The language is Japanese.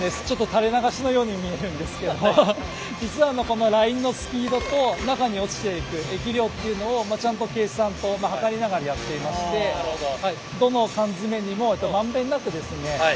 垂れ流しのように見えるんですけど実はこのラインのスピードと中に落ちていく液量っていうのをちゃんと計算と測りながらやっていましてどの缶詰にも満遍なく入るように。